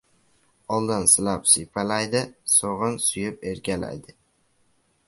Oldin, silab-siypalaydi. So‘g‘in, suyib-erkalaydi.